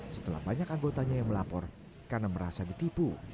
setelah banyak anggotanya yang melapor karena merasa ditipu